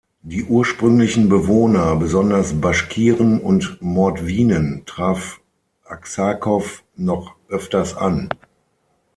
Die ursprünglichen Bewohner, besonders Baschkiren und Mordwinen, traf Aksakow noch öfters an.